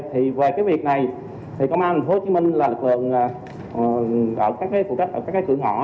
thì về cái việc này thì công an tp hcm là lực lượng ở các cái cửa ngõ